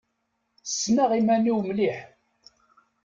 Ssneɣ iman-iw mliḥ.